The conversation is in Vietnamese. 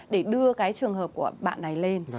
để đưa cái trường hợp của bạn này lên